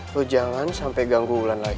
lo jangan sampai ganggu bulan lagi